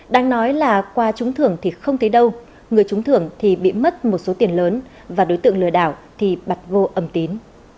đang nói là qua trúng thưởng thì không thấy đâu người trúng thưởng thì bị mất một số tiền lớn và đối tượng lừa đảo thì bật vô âm tín